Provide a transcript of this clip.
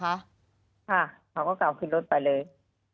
เขาก็กลับขึ้นรถไปเลย